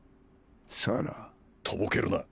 さぁな。とぼけるな。